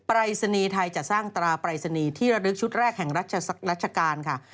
ปรายศนีย์ไทยจะสร้างตราปรายศนีย์ที่ระลึกชุดแรกแห่งรัชกาลค่ะ